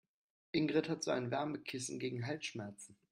Ingrid hat so ein Wärmekissen gegen Halsschmerzen.